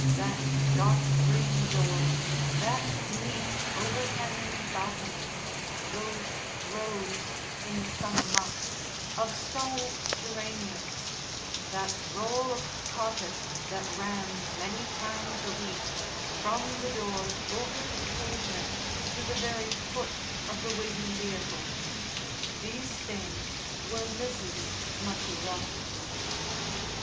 That dark green door, that neat overhanging balcony, those rows in the summer months of scarlet geraniums, that roll of carpet that ran, many times a week, from the door over the pavement to the very foot of the waiting vehicle these things were Mrs. Munty Ross's.